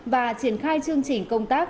và triển khai chương trình công tác